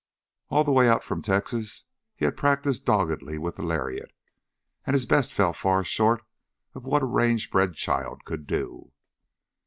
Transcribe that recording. All the way out from Texas he had practiced doggedly with the lariat, and his best fell far short of what a range bred child could do.